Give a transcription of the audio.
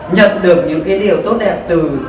nhận được những cái điều tốt đẹp từ